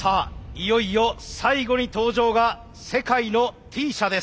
いよいよ最後に登場が世界のＴ社です。